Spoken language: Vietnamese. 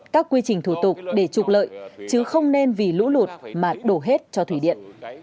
các quy trình thủ tục để trục lợi chứ không nên vì lũ lụt mà đổ hết cho thủy điện